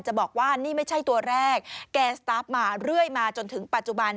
บอกว่านี่ไม่ใช่ตัวแรกแกนสตาร์ฟมาเรื่อยมาจนถึงปัจจุบัน